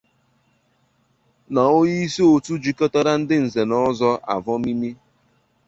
na onyeisi òtu jikọtara ndị nze na ọzọ Avọmimi